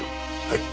はい。